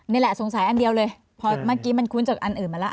นี่แหละสงสัยอันเดียวเลยพอเมื่อกี้มันคุ้นจากอันอื่นมาแล้ว